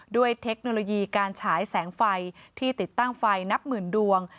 เทคโนโลยีการฉายแสงไฟที่ติดตั้งไฟนับหมื่นดวง